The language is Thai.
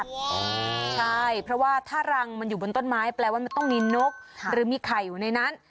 ใช่เพราะว่าถ้ารังมันอยู่บนต้นไม้แปลว่ามันต้องมีนกหรือมีไข่อยู่ในนั้น